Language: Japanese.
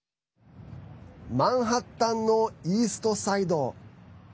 マンハッタンのイーストサイド。